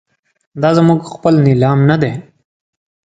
دا زموږ خپل نیلام نه دی.